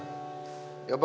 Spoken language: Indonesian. ya pokoknya maaf lah